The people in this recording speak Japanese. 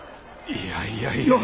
いやいやいやいや。